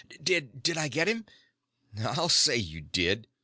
"Did did I get him?" "I'll say you did!"